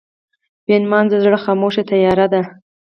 بېنمازه زړه خاموشه تیاره ده.